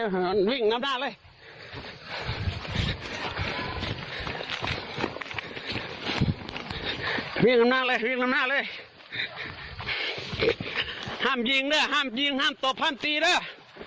ห้ามยิงด้วยห้ามยิงห้ามตบห้ามตีด้วย